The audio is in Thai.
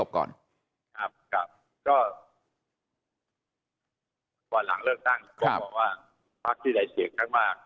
ก็ตอนหลังเริ่มตั้งผมก็บอกว่าพรรษตรีไดเสียงขึ้นมาก